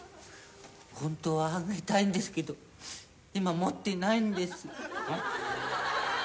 ホントはあげたいんですけど今持ってないんです。